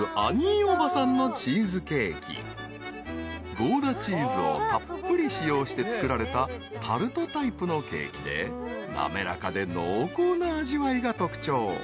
［ゴーダチーズをたっぷり使用して作られたタルトタイプのケーキで滑らかで濃厚な味わいが特徴］